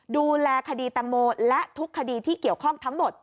ดูแลคดีตังโมและทุกคดีที่เกี่ยวข้องทั้งหมด